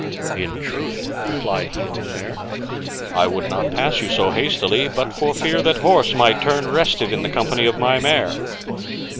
"In truth," replied he on the mare, "I would not pass you so hastily but for fear that horse might turn restive in the company of my mare."